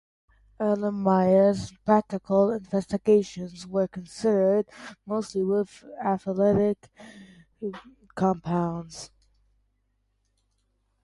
Erlenmeyer's practical investigations were concerned mostly with aliphatic compounds.